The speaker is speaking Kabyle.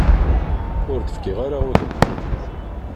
Ur d-fkiɣ ara udem.